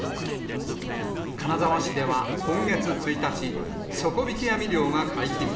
金沢市では今月１日、底引き網漁が解禁。